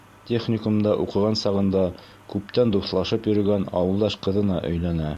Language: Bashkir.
Техникумда уҡыған сағында күптән дуҫлашып йөрөгән ауылдаш ҡыҙына өйләнә.